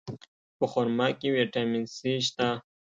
په خرما کې ویټامین C شته.